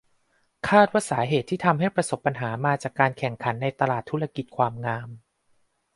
คาดว่าสาเหตุที่ทำให้ประสบปัญหามาจากการแข่งขันในตลาดธุรกิจความงาม